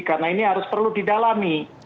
karena ini harus perlu didalami